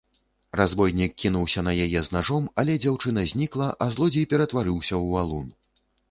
Разбойнік кінуўся на яе з нажом, але дзяўчына знікла, а злодзей ператварыўся ў валун.